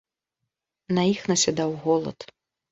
На іх насядаў голад.